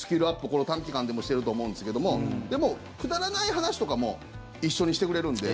この短期間でもしてると思うんですけどもでも、くだらない話とかも一緒にしてくれるので。